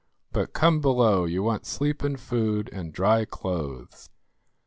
But come below; you want sleep and food, and dry clothes."